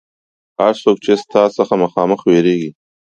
هر څوک چې ستا څخه مخامخ وېرېږي.